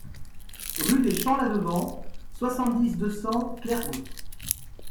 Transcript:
Rue des Champs La Devant, soixante-dix, deux cents Clairegoutte